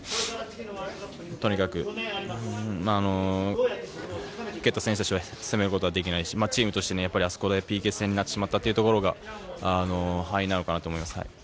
とにかく蹴った選手たちを責めることはできないしチームとしてもＰＫ戦になってしまったというところが敗因なのかなと思います。